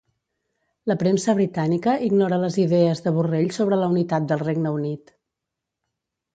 La premsa britànica ignora les idees de Borrell sobre la unitat del Regne Unit